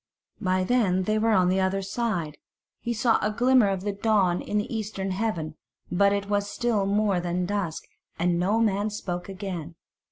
By then they were on the other side he saw a glimmer of the dawn in the eastern heaven, but it was still more than dusk, and no man spoke again.